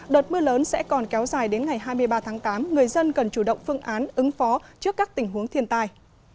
đợt mưa lớn sẽ còn kéo dài đến ngày hai mươi ba tháng tám người dân cần chủ động phương án ứng phó trước các tình huống thiên tai